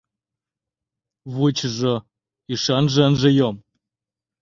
Вучыжо, ӱшанже ынже йом.